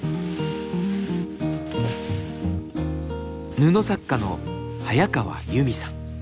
布作家の早川ユミさん。